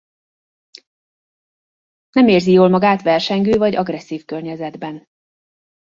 Nem érzi jól magát versengő vagy agresszív környezetben.